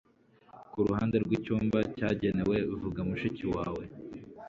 Kuruhande rwicyumba cyagenewe vuga mushiki wawe